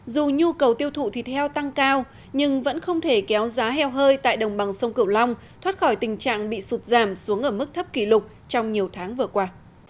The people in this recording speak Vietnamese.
dù nhu cầu tiêu thụ thịt heo tăng cao nhưng vẫn không thể kéo giá heo hơi tại đồng bằng sông cửu long thoát khỏi tình trạng bị sụt giảm xuống ở mức thấp kỷ lục trong nhiều tháng vừa qua